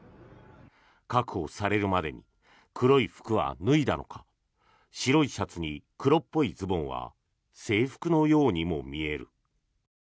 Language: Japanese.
確保されるまでに黒い服は脱いだのか白いシャツに黒っぽいズボンは制服のようにも見える。